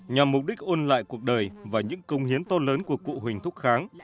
nhằm mục đích ôn lại cuộc đời và những công hiến to lớn của cụ huỳnh thúc kháng